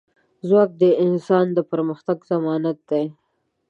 ځواک د انسان د پرمختګ ضمانت دی.